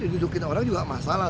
dudukkan orang juga masalah